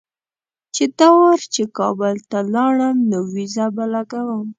چې دا وار چې کابل ته لاړم نو ویزه به لګوم.